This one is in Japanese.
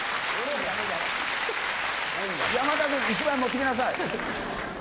山田君、１枚持っていきなさい。